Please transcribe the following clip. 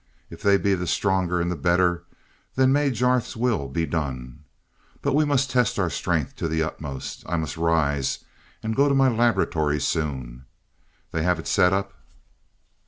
If they be the stronger, and the better then may Jarth's will be done. But we must test our strength to the utmost. I must rise, and go to my laboratory soon. They have set it up?"